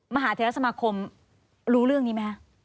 มหาเทรสมาคมรู้เรื่องนี้ไหมคะ